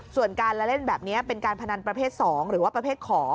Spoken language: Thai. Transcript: ส่วนการละเล่นแบบนี้เป็นการพนันประเภท๒หรือว่าประเภทขอ